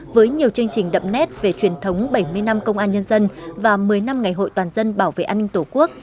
với nhiều chương trình đậm nét về truyền thống bảy mươi năm công an nhân dân và một mươi năm ngày hội toàn dân bảo vệ an ninh tổ quốc